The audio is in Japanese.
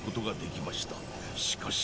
しかし。